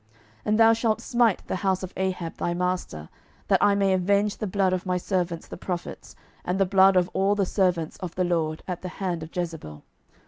12:009:007 And thou shalt smite the house of Ahab thy master, that I may avenge the blood of my servants the prophets, and the blood of all the servants of the LORD, at the hand of Jezebel.